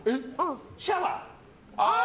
シャワー。